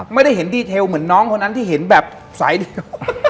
ไม่ได้เห็นดีเทลเหมือนน้องคนนั้นที่เห็นแบบสายเดียว